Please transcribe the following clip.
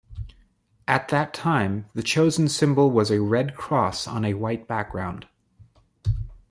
At that time, the chosen symbol was a red cross on a white background.